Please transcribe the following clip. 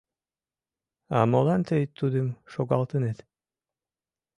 — А молан тый Тудым шогалтынет?